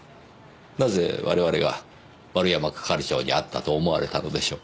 なぜ我々が丸山係長に会ったと思われたのでしょう？